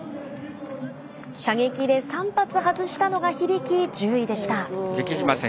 射撃で３発外したのが響き１０位でした。